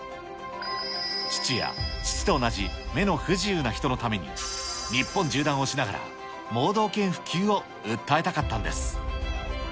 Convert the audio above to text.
父や、父と同じ目の不自由な人のために、日本縦断をしながら、盲導犬普及を訴えたかったんです。